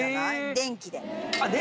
電気で。